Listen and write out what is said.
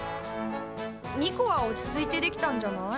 ニコは落ち着いてできたんじゃない？